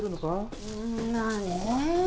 うんまあね。